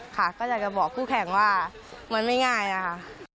ค่ะก็อยากจะบอกคู่แข่งว่ามันไม่ง่ายนะคะ